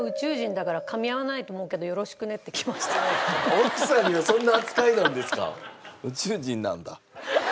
奥さんにはそんな扱いなんですか？